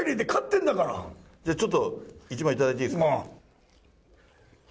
じゃあちょっと、１枚頂いていいですか？